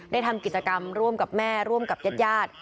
ทำกิจกรรมร่วมกับแม่ร่วมกับญาติญาติ